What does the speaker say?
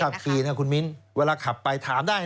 คนขับทีแหละขุนมิ้นร์เวลาขับไปถามได้